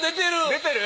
出てる？